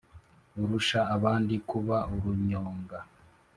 urusha bandi kuba urunyonga